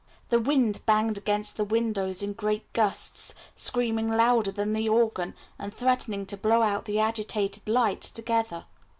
The wind banged against the windows in great gusts, screaming louder than the organ, and threatening to blow out the agitated lights together.